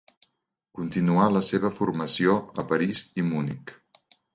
Continuà la seva formació a París i Munic.